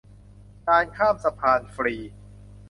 การข้ามสะพานฟรี